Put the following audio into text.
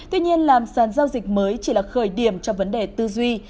tuy nhiên làm sàn giao dịch mới chỉ là khởi điểm cho vấn đề tư duy